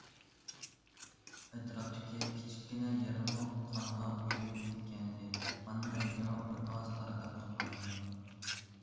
ئەتراپتىكى كىچىككىنە يەرمۇ قانغا بويىلىپ كەتكەنىدى، قاننىڭ رەڭگىمۇ بىرئاز قارىداپ قالغانىدى.